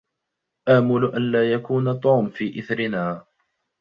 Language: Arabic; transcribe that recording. آمل ألّا يكون توم في إثرنا.